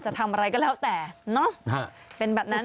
จะทำอะไรก็แล้วแต่เนอะเป็นแบบนั้น